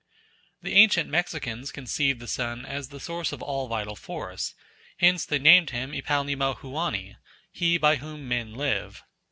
The ancient Mexicans conceived the sun as the source of all vital force; hence they named him Ipalnemohuani, "He by whom men live."